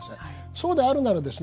そうであるならですね